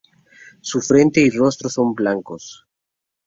Su frente y rostro son blancos.